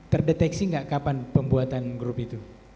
terdeteksi nggak kapan pembuatan grup itu